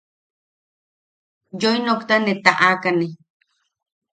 Yoinokta ne taʼakane.